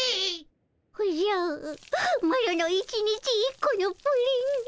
おじゃマロの一日１コのプリン。